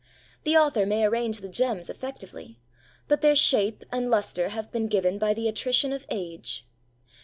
The author may arrange the gems effectively, but their shape and lustre have been given by the attrition of age.